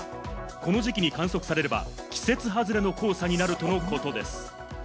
この時期に観測されれば、季節外れの黄砂になるとのことです。